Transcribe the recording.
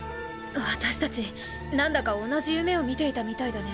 私達なんだか同じ夢を見ていたみたいだね。